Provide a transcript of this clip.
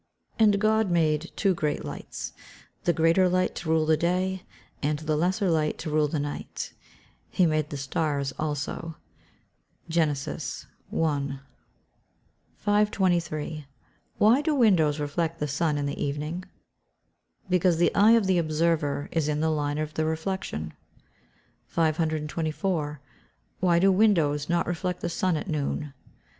[Verse: "And God made two great lights; the greater light to rule the day, and the lesser light to rule the night: he made the stars also." GEN. I.] 523. Why do windows reflect the sun in the evening? Because the eye of the observer is in the line of the reflection. 524. _Why do windows not reflect the sun at noon?